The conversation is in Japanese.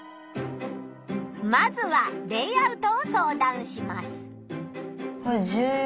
まずはレイアウトを相談します。